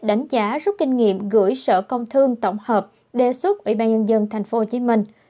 đánh giá rút kinh nghiệm gửi sở công thương tổng hợp đề xuất ủy ban nhân dân thành phố hồ chí minh